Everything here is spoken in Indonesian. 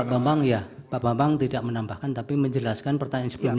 pak bambang ya pak bambang tidak menambahkan tapi menjelaskan pertanyaan sebelumnya